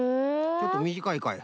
ちょっとみじかいかい。